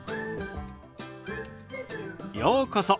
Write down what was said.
ようこそ。